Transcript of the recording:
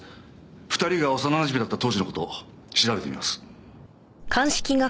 ２人が幼なじみだった当時の事調べてみます。